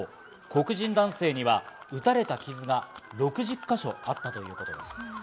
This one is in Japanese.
黒人男性には撃たれた傷が６０か所あったということです。